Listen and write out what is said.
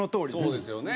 そうですよね。